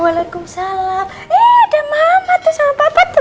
waalaikumsalam ada mama sama papa tuh